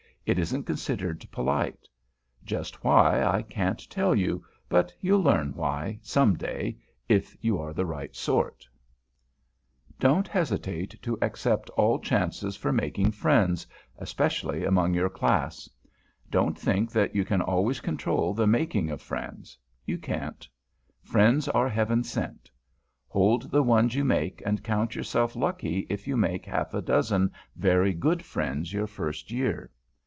It isn't considered polite. Just why, I can't tell you; but you'll learn why, some day, if you are the right sort. [Sidenote: ACQUAINTANCES AND FRIENDS] Don't hesitate to accept all chances for making friends, especially among your Class. Don't think that you can always control the making of friends; you can't. Friends are Heaven sent. Hold the ones you make, and count yourself lucky if you make half a dozen very good friends your first year.